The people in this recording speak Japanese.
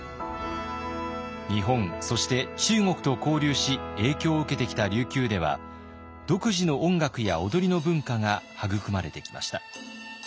日本そして中国と交流し影響を受けてきた琉球では独自の音楽や踊りの文化が育まれてきました。